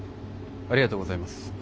ありがとうございます。